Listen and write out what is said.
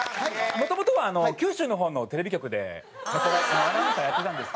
もともとは九州の方のテレビ局でアナウンサーやってたんですけども。